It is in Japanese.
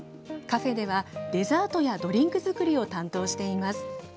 カフェでは、デザートやドリンク作りを担当しています。